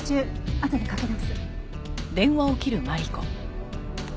あとでかけ直す。